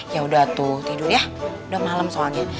ya udah atu tidur ya udah malem soalnya